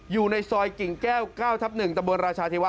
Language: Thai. อยู่ในซอยกิ่งแก้ว๙ทับ๑ตะบนราชาเทวะ